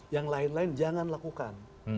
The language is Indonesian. yang lain lain jangan lakukan